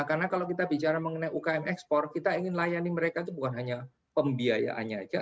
karena kalau kita bicara mengenai ukm export kita ingin layani mereka itu bukan hanya pembiayaannya aja